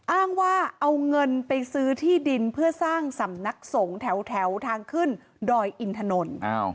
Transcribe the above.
อ้างว่าเอาเงินไปซื้อที่ดินเพื่อสร้างสำนักสงฆ์แถวทางขึ้นดอยอินถนน